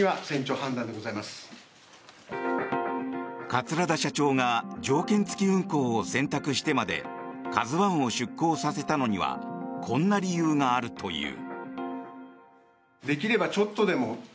桂田社長が条件付き運航を選択してまで「ＫＡＺＵ１」を出航させたのにはこんな理由があるという。